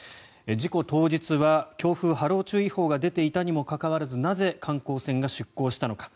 事故当日は強風・波浪注意報が出ていたにもかかわらずなぜ、観光船が出航したのか。